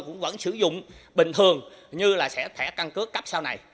cũng vẫn sử dụng bình thường như là sẽ thẻ căn cước cấp sau này